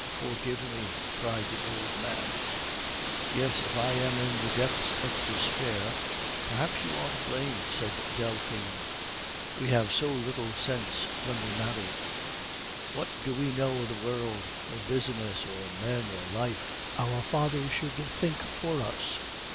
forgive me!" cried the old man. "Yes, if I am in the depths of despair, perhaps you are to blame," said Delphine. "We have so little sense when we marry! What do we know of the world, of business, or men, or life? Our fathers should think for us!